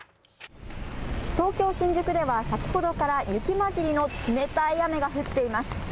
東京新宿では先ほどから雪混じりの冷たい雨が降っています。